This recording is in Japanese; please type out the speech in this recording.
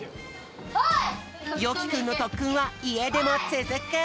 よきくんのとっくんはいえでもつづく！